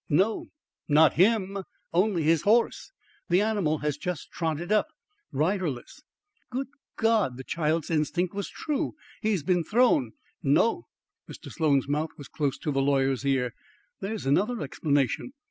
"No, not HIM; only his horse. The animal has just trotted up riderless." "Good God! the child's instinct was true. He has been thrown " "No." Mr. Sloan's mouth was close to the lawyer's ear. "There is another explanation.